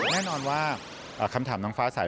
แน่นอนว่าคำถามน้องฟ้าสาย